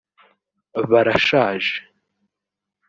barashaje